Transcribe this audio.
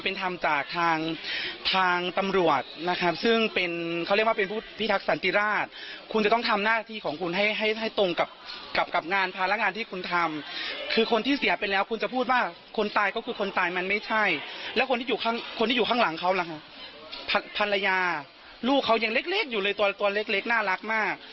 ภรรยาลูกเขายังเล็กอยู่เลยตัวเล็กน่ารักมาก